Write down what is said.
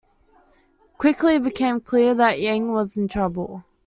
Quickly, it became clear that Yang was in trouble.